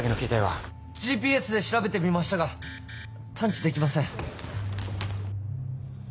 ＧＰＳで調べてみましたが探知できません。